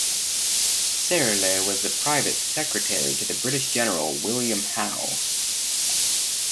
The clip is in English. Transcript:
Serle was the private secretary to the British general William Howe.